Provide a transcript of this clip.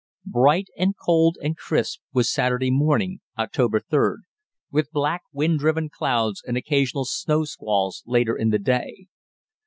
Bright and cold and crisp was Saturday morning (October 3d), with black wind driven clouds and occasional snow squalls later in the day.